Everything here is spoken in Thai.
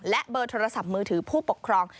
และเบอร์โทรศัพท์มือถือผู้ปกครอง